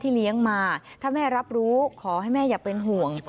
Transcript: ถ้าแม่รับรู้ขอให้แม่อย่าเป็นห่วง